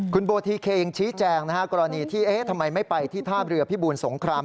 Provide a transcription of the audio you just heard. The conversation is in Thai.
คุณโบทีเคยังชี้แจงนะฮะกรณีที่ทำไมไม่ไปที่ท่าเรือพิบูรสงคราม